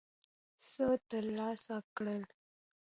څه ترلاسه کړل.